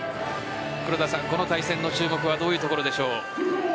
この対戦の注目はどういうところでしょう？